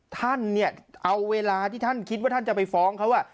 ท่านเนี่ยเอาเวลาที่ท่านคิดว่าท่านจะไปฟ้องเขา